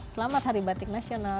selamat hari batik nasional